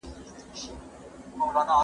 موږ ډلي جوړوو.